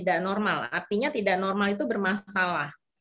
tidak normal artinya tidak normal itu bermasalah